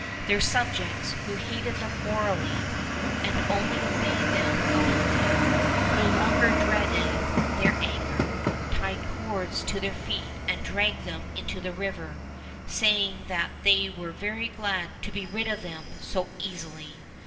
Their subjects, who hated them mortally, and only obeyed them out of fear, no longer dreading their anger, tied cords to their feet and dragged them into the river, saying tha f , they were very glad to be rid of them so easily.